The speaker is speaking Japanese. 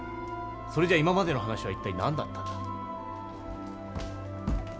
それじゃ今までの話は一体何だったんだ？